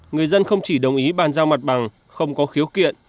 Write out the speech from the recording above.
người dân không chỉ đồng ý bàn giao mặt bằng không có khiếu kiện